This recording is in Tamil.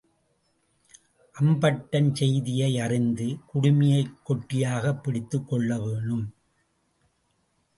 அம்பட்டன் செய்தியை அறிந்து குடுமியைக் கெட்டியாகப் பிடித்துக் கொள்ள வேணும்.